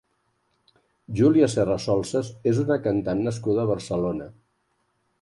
Júlia Serrasolsas és una cantant nascuda a Barcelona.